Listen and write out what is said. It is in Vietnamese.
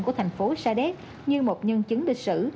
của thành phố sa đéc như một nhân chứng lịch sử